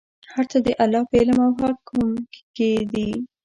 هر څه د الله په علم او حکم کې دي.